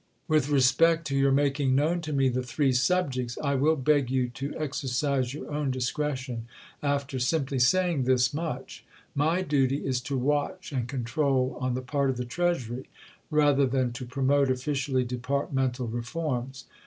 With respect to your making known to me the "three subjects" I will beg you to exercise your own discretion after simply saying this much; my duty is to watch and control on the part of the Treasury rather than to promote officially departmental reforms.